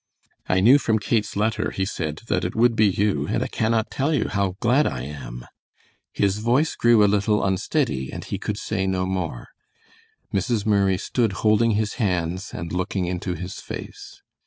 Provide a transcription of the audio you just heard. "I knew from Kate's letter," he said, "that it would be you, and I cannot tell you how glad I am." His voice grew a little unsteady and he could say no more. Mrs. Murray stood holding his hands and looking into his face.